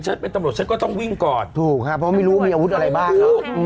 ฉันเป็นตำรวจฉันก็ต้องวิ่งกอดถูกครับเพราะไม่รู้มีอาวุธอะไรบ้าง